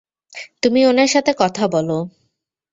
তুমি ওনার সাথে কথা বলো।